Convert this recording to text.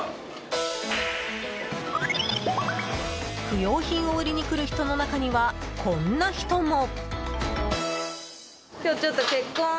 不用品を売りにくる人の中にはこんな人も。